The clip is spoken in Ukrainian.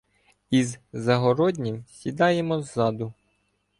Із Загороднім сідаємо ззаду.